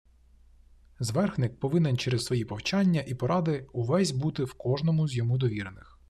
Зверхник повинен через свої повчання і поради увесь бути в кожному з йому довірених.